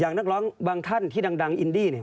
นักร้องบางท่านที่ดังอินดี้เนี่ย